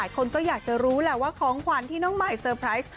คนก็อยากจะรู้แหละว่าของขวัญที่น้องใหม่เซอร์ไพรส์